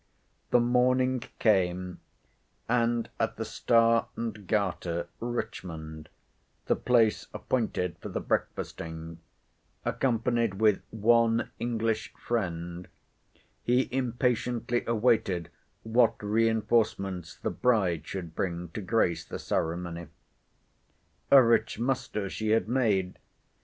The morning came; and at the Star and Garter, Richmond—the place appointed for the breakfasting—accompanied with one English friend, he impatiently awaited what reinforcements the bride should bring to grace the ceremony. A rich muster she had made.